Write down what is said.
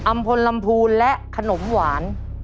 พลลำพูนและขนมหวาน